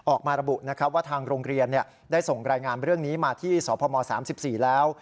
ออกมาระบุนะครับว่าทางโรงเรียนได้ส่งรายงานเรื่องนี้มาที่สพม๓๔แล้ว